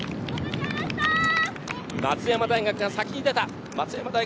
松山大学が先に出た。